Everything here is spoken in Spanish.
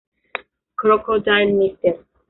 Crocodile, Mr.